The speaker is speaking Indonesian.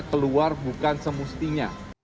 keluar bukan semustinya